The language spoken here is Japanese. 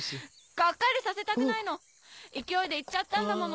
がっかりさせたくないの勢いで言っちゃったんだもの。